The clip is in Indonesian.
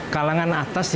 kalau tidak tidak akan